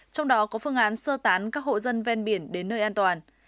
trong đó có phương án sơ tán các hộ dân ven biển đến nơi an toàn